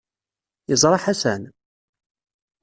Yeẓra Ḥasan?